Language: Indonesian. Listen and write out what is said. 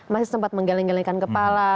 masih sempat menggeleng gelengkan kepala